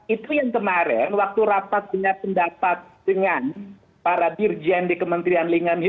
itu yang kemarin waktu rapat dengan pendapat dengan para dirjen di kementerian lingkungan hidup